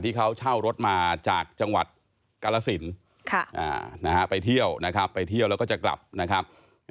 เช่ารถมาจากจังหวัดกาลสินไปเที่ยวนะครับไปเที่ยวแล้วก็จะกลับนะครับ